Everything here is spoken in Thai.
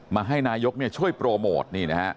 มาให้นายกช่วยโปรโมทนี่นะฮะ